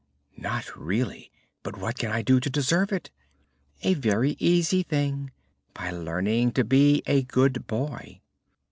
"Not really? And what can I do to deserve it?" "A very easy thing: by learning to be a good boy."